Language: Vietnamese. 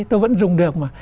tôi vẫn dùng được mà